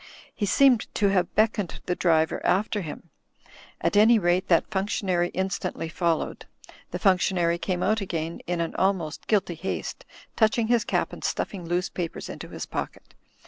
He seemed to have beckoned the driver after him ; at any rate that functionary instantly followed. The functionary came out again in an almost guilty haste, touching his cap and stuffing loose papers into his pocket.